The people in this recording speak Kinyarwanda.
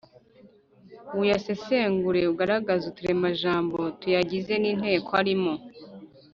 uyasesengure ugaragaze uturemajambo tuyagize n’inteko arimo.